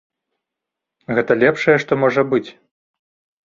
Гэта лепшае, што можа быць.